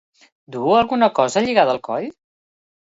Duu alguna cosa lligada al coll?